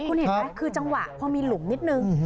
คุณเห็นไหมคือจังหวะพอมีหลุมนิดนึง